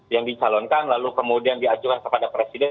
yang dicalonkan lalu kemudian diajukan kepada presiden